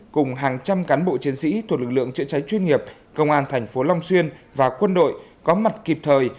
cùng hàng trăm cán bộ chiến sĩ thuộc lực lượng chữa cháy chuyên nghiệp công an thành phố long xuyên và quân đội có mặt kịp thời